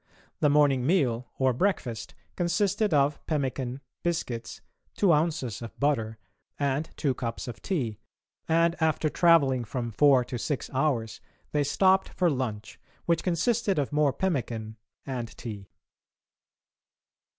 The morning meal, or breakfast, consisted of pemmican, biscuits, two ounces of butter, and two cups of tea, and after travelling from four to six hours, they stopped for lunch, which consisted of more pemmican and tea.